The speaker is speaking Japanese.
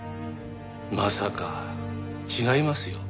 まさか違いますよ。